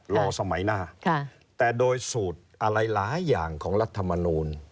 สมัยหน้าแต่โดยสูตรอะไรหลายอย่างของรัฐมนูล